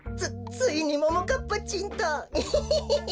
ついにももかっぱちんとイヒヒヒヒ。